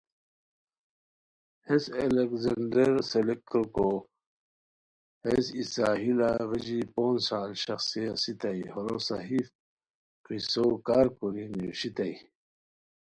ہیس الیکذنڈر سیلکریکو کی ہیس ای ساحلہ غیژی پونچ سال شاخڅئیے اسیتائے ہورو صحیح قصو کارکوری نیویشیتائے